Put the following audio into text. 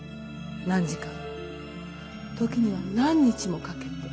何時間も時には何日もかけて。